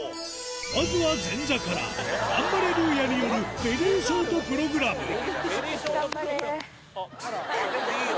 まずは前座からガンバレルーヤによるベリーショートプログラム頑張れ！いいよ！